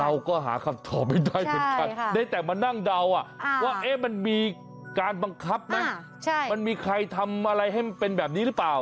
เราก็หาคำตอบไม่ได้เหมือนกันได้แต่มานั่งเดาว่ามันมีการบังคับไหมมันมีใครทำอะไรให้มันเป็นแบบนี้หรือเปล่า